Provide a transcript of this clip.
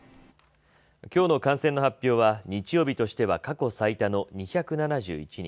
きょうの感染の発表は日曜日としては過去最多の２７１人。